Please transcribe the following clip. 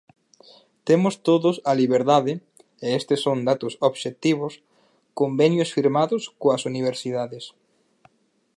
Temos todos a liberdade, e estes son datos obxectivos, convenios firmados coas universidades.